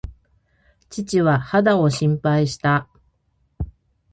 父は肌を心配した。